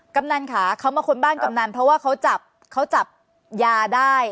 กำนันค่ะเขามาค้นบ้านกำนันเพราะว่าเขาจับเขาจับยาได้